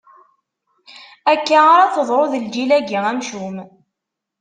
Akka ara teḍru d lǧil-agi amcum.